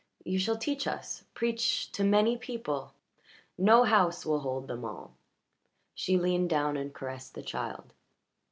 "You shall teach us preach to many people. No house will hold them all." She leaned down and caressed the child.